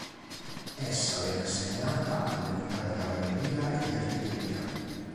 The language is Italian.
Essa venne assegnata alle unità di cavalleria e di artiglieria.